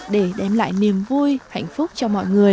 để đem lại niềm vui hạnh phúc cho mọi người